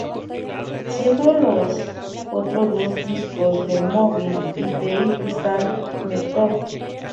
Siendo los otros dos discos de Moby y The Crystal Method.